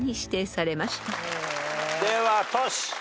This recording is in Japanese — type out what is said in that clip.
ではトシ。